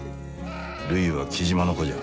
るいは雉真の子じゃ。